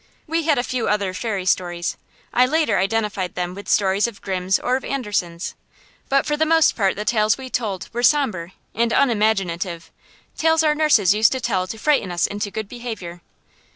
We had a few other fairy stories, I later identified them with stories of Grimm's or of Andersen's, but for the most part the tales we told were sombre and unimaginative; tales our nurses used to tell to frighten us into good behavior.